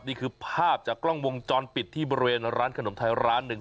นี่คือภาพจากกล้องวงจรปิดที่บริเวณร้านขนมไทยร้านหนึ่ง